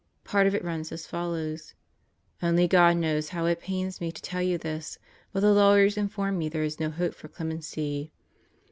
Part of it runs as follows "only God knows how it pains me to tell you this, but the lawyers inform me there is no hope for clemency."